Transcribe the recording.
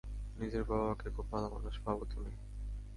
নিজের বাবাকে খুব ভালোমানুষ ভাবো তুমি।